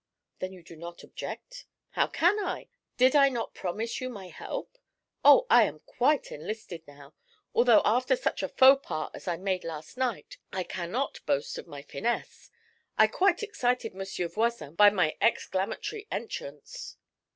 'Then you do not object?' 'How can I? Did I not promise you my help? Oh, I am quite enlisted now; although after such a faux pas as I made last night I cannot boast of my finesse. I quite excited Monsieur Voisin by my exclamatory entrance.'